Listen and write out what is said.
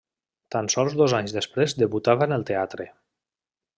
Tan sols dos anys després debutava en el teatre.